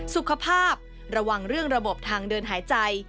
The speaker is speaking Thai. สุขภาพระวังเรื่องระบบทางเดินหายใจ